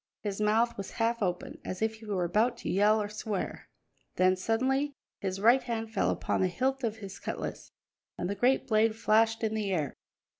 His mouth was half open, as if he were about to yell or swear. Then suddenly his right hand fell upon the hilt of his cutlass, and the great blade flashed in the air.